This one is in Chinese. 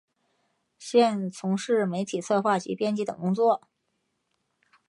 现从事媒体策划及编辑等工作。